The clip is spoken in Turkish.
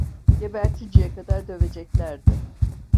Gebertinceye kadar döveceklerdi.